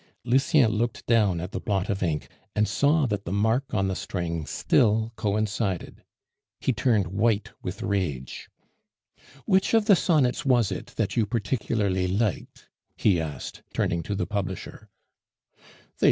Lucien looked down at the blot of ink, and saw that the mark on the string still coincided; he turned white with rage. "Which of the sonnets was it that you particularly liked?" he asked, turning to the publisher.